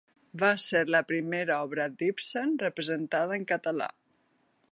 Va ser la primera obra d'Ibsen representada en català.